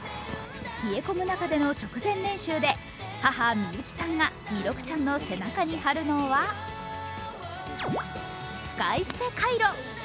冷え込む中での直前練習で母・みゆきさんが弥勒ちゃんの背中に貼るのは使い捨てカイロ。